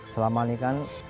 selama ini kan